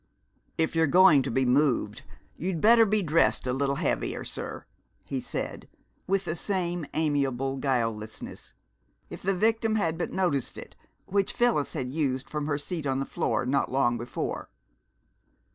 "If you're going to be moved, you'd better be dressed a little heavier, sir," he said with the same amiable guilelessness, if the victim had but noticed it, which Phyllis had used from her seat on the floor not long before.